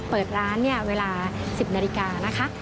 เปิดร้านเวลา๑๐นาฬิกา